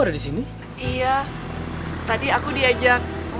aku jadi pengen ketemu sama daniel